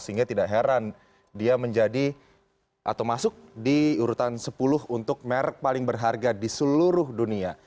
sehingga tidak heran dia menjadi atau masuk di urutan sepuluh untuk merek paling berharga di seluruh dunia